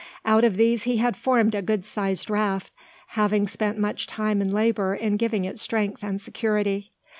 Out of these he had formed a good sized raft, having spent much time and labour in giving it strength and security.